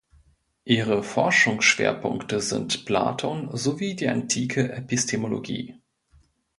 Ihre Forschungsschwerpunkte sind Platon sowie die antike Epistemologie.